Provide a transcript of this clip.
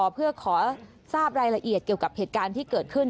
เพื่อขอทราบรายละเอียดเกี่ยวกับเหตุการณ์ที่เกิดขึ้น